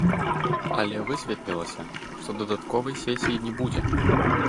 Але высветлілася, што дадатковай сесіі не будзе.